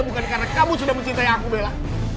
bukan karena kamu sudah mencintai aku bella